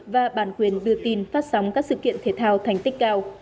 và bàn quyền đưa tin phát sóng các sự kiện thể thao thành tích cao